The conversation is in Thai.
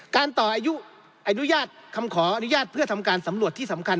การขออนุญาตคำขอะนุญาตเป้อร์ทำการสำรวจที่สำคัญ